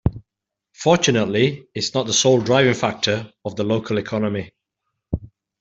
Fortunately its not the sole driving factor of the local economy.